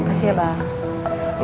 terima kasih ya bang